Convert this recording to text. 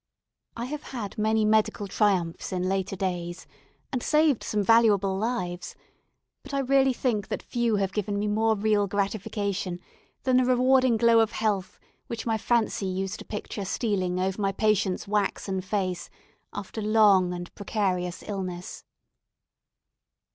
I have had many medical triumphs in later days, and saved some valuable lives; but I really think that few have given me more real gratification than the rewarding glow of health which my fancy used to picture stealing over my patient's waxen face after long and precarious illness.